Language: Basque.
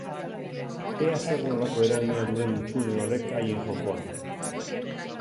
Ea zer nolako eragina duen hutsune horrek haien jokoan.